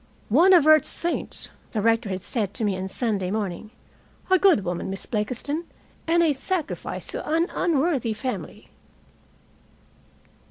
"One of earth's saints," the rector had said to me on Sunday morning. "A good woman, Miss Blakiston, and a sacrifice to an unworthy family."